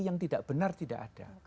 yang tidak benar tidak ada